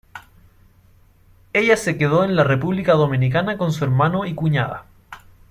Ella se quedó en la República Dominicana con su hermano y cuñada.